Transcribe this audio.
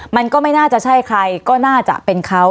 มันก็ไม่น่าจะใช่ใครก็น่าจะเป็นเขา